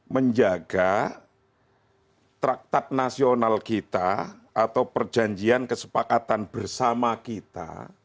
menjaga traktat nasional kita atau perjanjian kesepakatan bersama kita